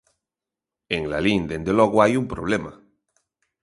En Lalín, dende logo, hai un problema.